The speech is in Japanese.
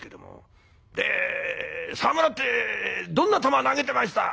「沢村ってどんな球投げてました？」。